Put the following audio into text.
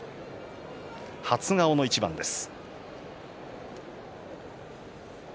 初顔の一番です。